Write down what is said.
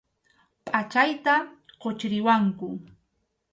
Pʼachayta quchiriwanku.